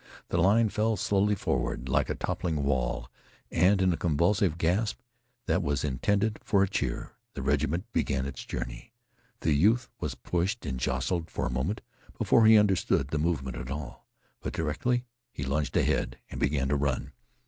The line fell slowly forward like a toppling wall, and, with a convulsive gasp that was intended for a cheer, the regiment began its journey. The youth was pushed and jostled for a moment before he understood the movement at all, but directly he lunged ahead and began to run.